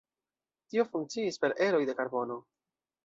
Tiu funkciis per eroj de karbono.